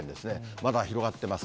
まだ広がっています。